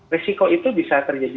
risiko itu bisa terjadi